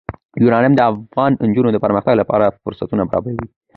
یورانیم د افغان نجونو د پرمختګ لپاره فرصتونه برابروي.